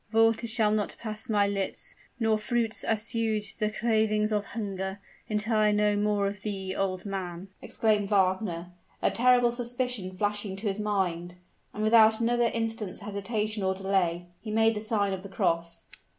"Water shall not pass my lips, nor fruits assuage the cravings of hunger, until I know more of thee, old man!" exclaimed Wagner, a terrible suspicion flashing to his mind; and without another instant's hesitation or delay, he made the sign of the cross.